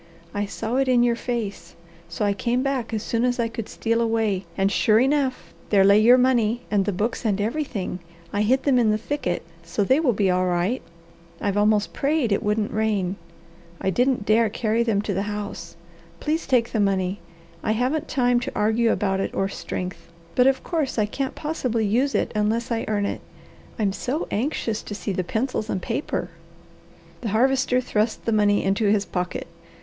"I saw it in your face, so I came back as soon as I could steal away, and sure enough, there lay your money and the books and everything. I hid them in the thicket, so they will be all right. I've almost prayed it wouldn't rain. I didn't dare carry them to the house. Please take the money. I haven't time to argue about it or strength, but of course I can't possibly use it unless I earn it. I'm so anxious to see the pencils and paper." The Harvester thrust the money into his pocket.